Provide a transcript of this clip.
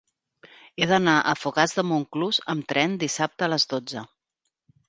He d'anar a Fogars de Montclús amb tren dissabte a les dotze.